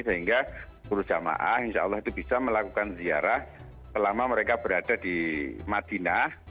sehingga seluruh jamaah insya allah itu bisa melakukan ziarah selama mereka berada di madinah